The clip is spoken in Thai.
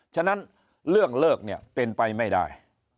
ฉะนั้นเรื่องเลิกเนี่ยเป็นไปไม่ได้